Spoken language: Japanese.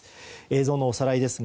映像のおさらいです。